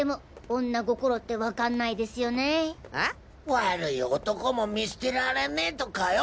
悪い男も見捨てられねえとかよ。